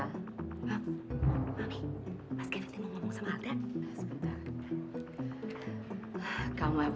mami mas kevin mau ngomong sama alda